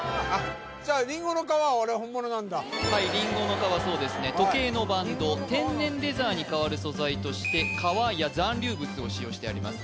じゃあリンゴの皮はあれは本物なんだリンゴの皮そうですね時計のバンド天然レザーにかわる素材として皮や残留物を使用してあります